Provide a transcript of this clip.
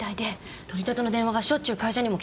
取り立ての電話がしょっちゅう会社にも来てました。